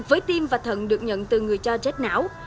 với tim và thận được nhận từ người cho chết não